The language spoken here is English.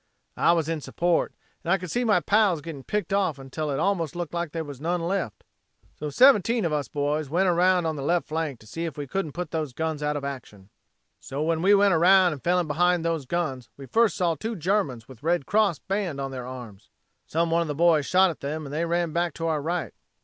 I was in support and I could see my pals getting picked off until it almost looked like there was none left. "So 17 of us boys went around on the left flank to see if we couldn't put those guns out of action. "So when we went around and fell in behind those guns we first saw two Germans with Red Cross band on their arms. "Some one of the boys shot at them and they ran back to our right.